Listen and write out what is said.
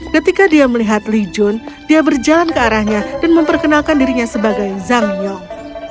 ketika dia melihat li jun dia berjalan ke arahnya dan memperkenalkan dirinya sebagai zhang yong